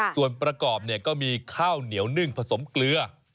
ส่วนประกอบก็มีข้าวเหนียวนึ่งผสมเกลือ